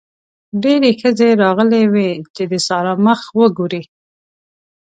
ډېرې ښځې راغلې وې چې د سارا مخ وګوري.